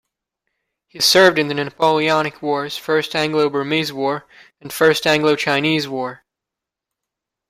He served in the Napoleonic Wars, First Anglo-Burmese War, and First Anglo-Chinese War.